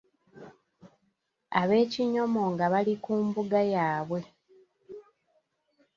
Ab’Ekinyomo nga bali ku mbuga yaabwe.